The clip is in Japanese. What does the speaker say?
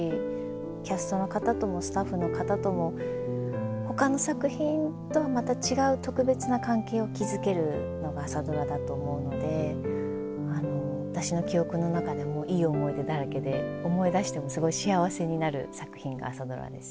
キャストの方ともスタッフの方ともほかの作品とはまた違う特別な関係を築けるのが「朝ドラ」だと思うので私の記憶の中でもいい思い出だらけで思い出してもすごい幸せになる作品が「朝ドラ」です。